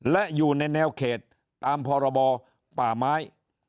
และอยู่ในแนวเขตตามพรบป่าไม้